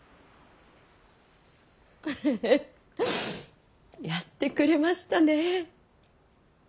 フフフやってくれましたね。